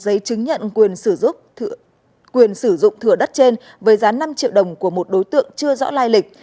giấy chứng nhận quyền sử dụng thửa đất trên với giá năm triệu đồng của một đối tượng chưa rõ lai lịch